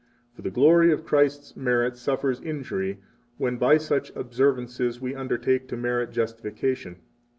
36 For the glory of Christ's merit suffers injury when, by such observances, 37 we undertake to merit justification.